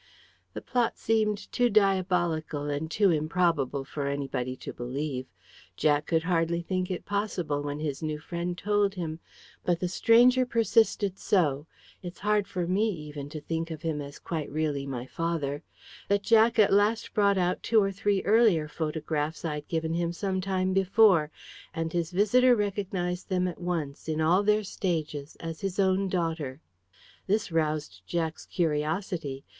The plot seemed too diabolical and too improbable for anybody to believe. Jack could hardly think it possible when his new friend told him. But the stranger persisted so it's hard for me even to think of him as quite really my father that Jack at last brought out two or three earlier photographs I'd given him some time before; and his visitor recognised them at once, in all their stages, as his own daughter. This roused Jack's curiosity.